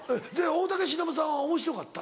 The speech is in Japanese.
大竹しのぶさんはおもしろかった？